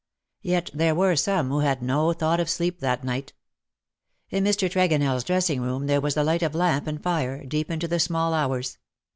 Yet there were some who had no thought of sleep that night. In Mr. TregonelFs dressing room there was the light of lamp and fire, deep into the small hours.